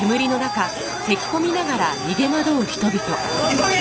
急げ！